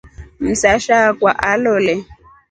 Msasha akwa alole.